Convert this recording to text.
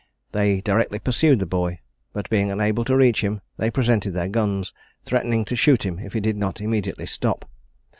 They directly pursued the boy, but being unable to reach him, they presented their guns, threatening to shoot him if he did not immediately stop.